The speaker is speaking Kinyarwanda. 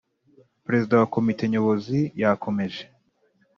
perezida wa komite nyobozi yakomeje